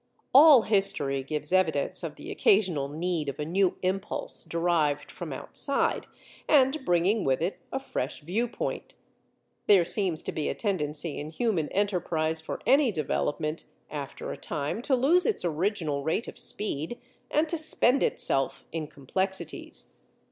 All history gives evidence of the occasional need of a new impulse derived from outside, and bringing with it a fresh view point. There seems to be a tendency in human enterprise for any development after a time to lose its original rate of speed and to spend itself in complexities.